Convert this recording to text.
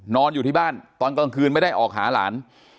นอนอยู่ที่บ้านตอนกลางคืนไม่ได้ออกหาหลาน